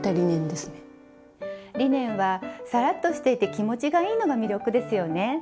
リネンはサラッとしていて気持ちがいいのが魅力ですよね。